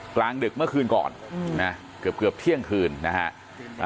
กลางดึกเมื่อคืนก่อนนะเกือบเกือบเที่ยงคืนนะฮะ